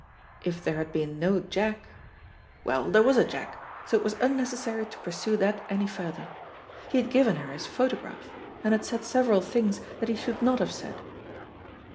If there had been no Jack well, there was a Jack, so it was unnecessary to pursue that any further. He had given her his photograph, and had said several things that he should not have said.